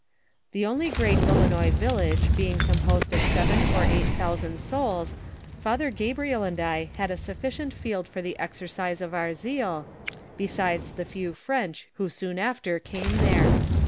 Tlie only great Ilinois village being composed of seven or eight thousand souls, Father Gabriel and I had a suflScient field for the exercise of our zeal, besides the few French who soon after came there.